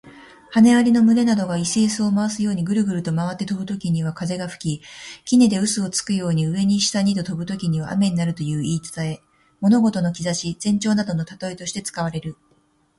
羽蟻の群れなどが石臼を回すようにぐるぐると回って飛ぶときには風が吹き、杵で臼をつくように、上に下にと飛ぶときには雨になるという言い伝え。物事の兆し、前兆などの例えとして使われる。